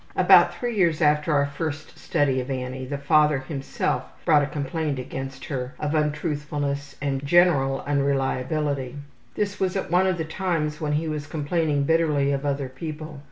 About three years after our first study of Annie, the father himself brought a complaint against her of untruthfulness and general unreliability. This was at one of the times when he was complaining bitterly of other people.